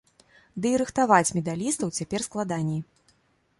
Ды і рыхтаваць медалістаў цяпер складаней.